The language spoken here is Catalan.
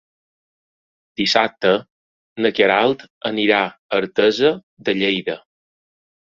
Dissabte na Queralt anirà a Artesa de Lleida.